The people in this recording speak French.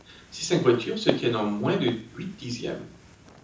Ces cinq voitures se tiennent en moins de huit dixièmes.